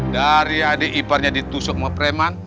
dari adik iparnya ditusuk sama preman